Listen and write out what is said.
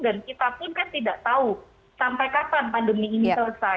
dan kita pun kan tidak tahu sampai kapan pandemi ini selesai